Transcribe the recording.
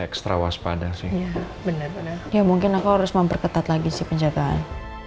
ekstra waspada sih bener bener ya mungkin aku harus memperketat lagi sih penjagaan